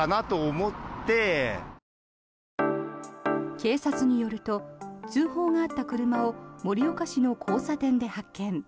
警察によると通報があった車を盛岡市の交差点で発見。